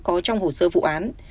có trong hồ sơ vụ án